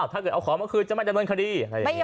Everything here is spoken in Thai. ถ้าเกิดเอาของมาคืนจะไม่ดำเนินคดี